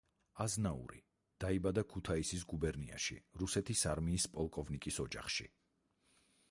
აზნაური; დაიბადა ქუთაისის გუბერნიაში რუსეთის არმიის პოლკოვნიკის ოჯახში.